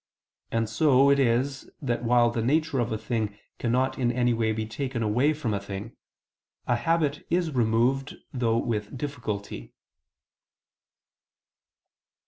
And so it is that while the nature of a thing cannot in any way be taken away from a thing, a habit is removed, though with difficulty.